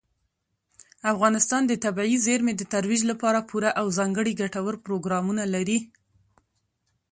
افغانستان د طبیعي زیرمې د ترویج لپاره پوره او ځانګړي ګټور پروګرامونه لري.